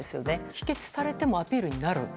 否決されてもアピールになる？